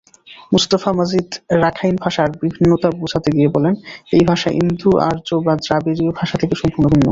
Mustafa Majid Rakhine ভাষার ভিন্নতা বোঝাতে গিয়ে লিখেছেন, ‘এই ভাষা ইন্দো-আর্য বা দ্রাবিড়ীয় ভাষা থেকে সম্পূর্ণ ভিন্ন।